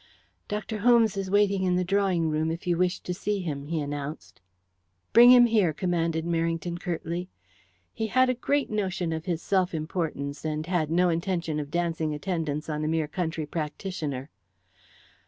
"Dr. Holmes is waiting in the drawing room if you wish to see him," he announced. "Bring him here," commanded Merrington curtly. He had a great notion of his self importance, and had no intention of dancing attendance on a mere country practitioner.